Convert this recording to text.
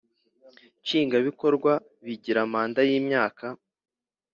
Nshingwabikorwa bagira manda y,imyaka